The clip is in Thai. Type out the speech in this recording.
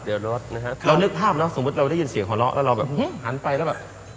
เรานึกภาพสมมติเราได้ยินเสียงหัวเล่าแล้วเราหันไปแล้วแบบ